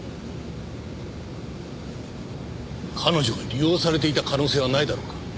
彼女が利用されていた可能性はないだろうか？